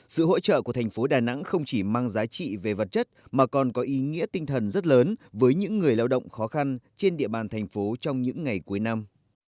sự hỗ trợ của thành phố đà nẵng không chỉ mang giá trị về vật chất mà còn có ý nghĩa tinh thần rất lớn với những người lao động khó khăn trên địa bàn thành phố trong những ngày cuối năm